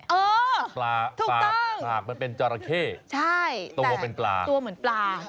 เออถูกต้องปลาจอระเข้ตัวเหมือนปลาใช่แต่ตัวเหมือนปลา